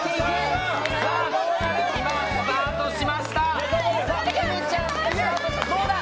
スタートしました。